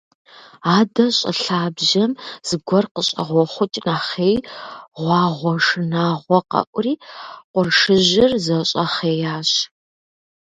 Адэ щӏы лъабжьэм зыгуэр къыщӏэгъуэхъукӏ нэхъей, гъуагъуэ шынагъуэ къэӏури, къуршыжьыр зэщӏэхъеящ.